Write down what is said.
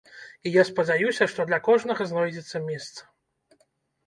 І я спадзяюся, што для кожнага знойдзецца месца.